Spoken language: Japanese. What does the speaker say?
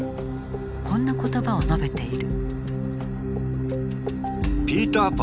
こんな言葉を述べている。